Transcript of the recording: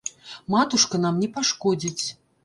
Матушка нам не пашкодзіць.